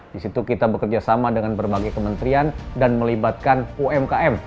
di situ kita bekerja sama dengan berbagai kementerian dan melibatkan umkm